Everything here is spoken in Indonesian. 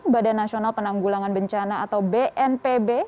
badan nasional penanggulangan bencana atau bnpb